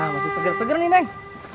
masih seger seger nih neng